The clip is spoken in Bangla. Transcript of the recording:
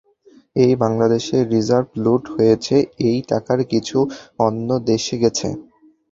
এই বাংলাদেশে রিজার্ভ লুট হয়েছে, এই টাকার কিছু অন্য দেশে গেছে।